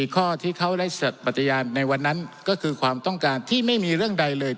ข้อที่เขาได้ปฏิญาณในวันนั้นก็คือความต้องการที่ไม่มีเรื่องใดเลย